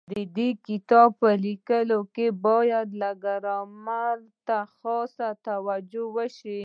د کتاب په لیکلو کي باید ګرامر ته خاصه توجو وسي.